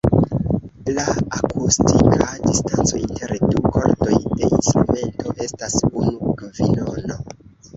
La akustika distanco inter du kordoj de instrumento estas unu kvinono.